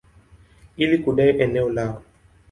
ili kudai eneo lao.